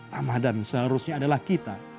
ramadhan seharusnya adalah kita